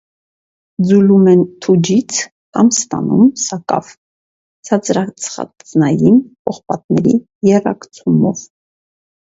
Զուլում են թուջից կամ ստանում (սակավ) ցածրածխածնային պողպատների եռակցումով։